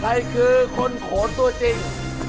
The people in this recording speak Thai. ใครคือคนโขนตัวจริง